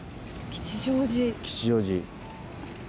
吉祥寺。